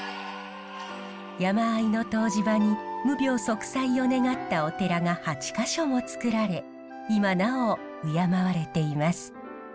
山あいの湯治場に無病息災を願ったお寺が８か所もつくられ今なお敬われています。